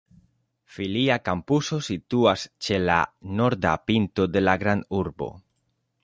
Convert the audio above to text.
Filia kampuso situas ĉe la norda pinto de la grandurbo.